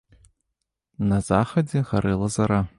На захадзе гарэла зара.